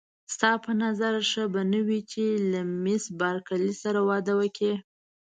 ستا په نظر ښه به نه وي چې له مېس بارکلي سره واده وکړم.